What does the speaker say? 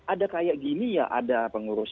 ada kayak gini ya ada pengurus